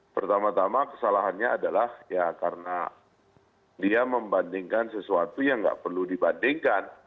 pertama tama kesalahannya adalah ya karena dia membandingkan sesuatu yang nggak perlu dibandingkan